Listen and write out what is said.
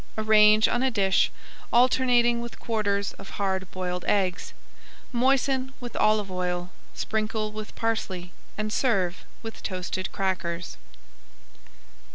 Arrange on a dish, alternating with quarters of hard boiled eggs. Moisten with olive oil, sprinkle with parsley, and serve with toasted crackers.